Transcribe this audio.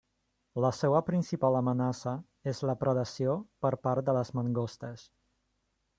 La seua principal amenaça és la predació per part de les mangostes.